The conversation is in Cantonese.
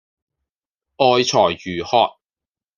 愛才如渴